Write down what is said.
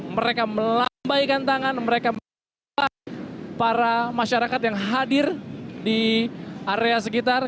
mereka melambaikan tangan mereka para masyarakat yang hadir di area sekitar